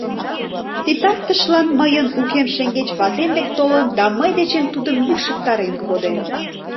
Ситартышлан мыйын укем шеҥгеч ватем дек толын да мый дечем тудым йӱкшыктарен коден.